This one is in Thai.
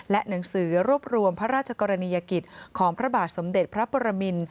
และหนังสือรวบรวมพระราชกรณียกิจของพระบาทสมเด็จพระปรมิน